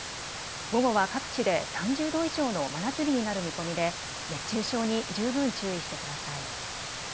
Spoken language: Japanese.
午後は各地で３０度以上の真夏日になる見込みで熱中症に十分注意してください。